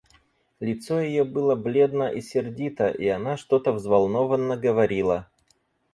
Лицо ее было бледно и сердито, и она что-то взволнованно говорила.